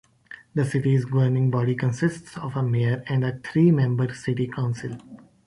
The city's governing body consists of a Mayor and a three-member City Council.